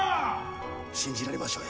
信じられましょうや？